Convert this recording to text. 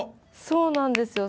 そうなんですよ。